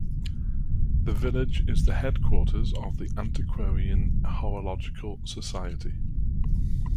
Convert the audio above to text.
The village is the headquarters of the Antiquarian Horological Society.